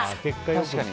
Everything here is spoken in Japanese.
確かに。